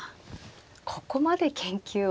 ここまで研究を。